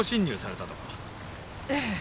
ええ。